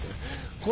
これ。